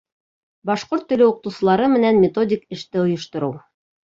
Башҡорт теле уҡытыусылары менән методик эште ойоштороу